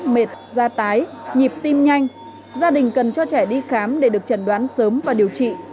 mệt da tái nhịp tim nhanh gia đình cần cho trẻ đi khám để được chẩn đoán sớm và điều trị